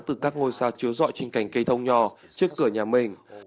từ các ngôi sao chứa dọi trên cành cây thông nhỏ trước cửa nhà mình